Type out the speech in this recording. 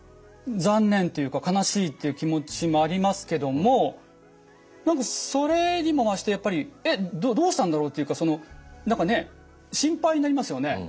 残念というか悲しいという気持ちもありますけどもそれにも増してやっぱり「えっどうしたんだろう？」というか何かね心配になりますよね。